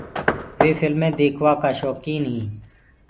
وي ڦڪلمي ديکوآ ڪآ شوڪيٚن هينٚ۔